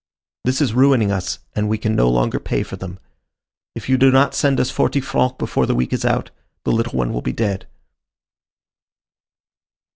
This is ruining us, and we can no longer pay for them. If you do not send us forty francs before the week is out, the little one will be dead."